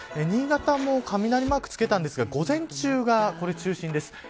新潟も雷マークつけたんですが午前中が中心です。